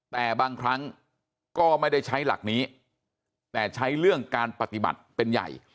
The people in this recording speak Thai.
แต่บางครั้งก็ไม่ได้ใช้หลักนี้แต่ใช้เรื่องการปฏิบัติเป็นใหญ่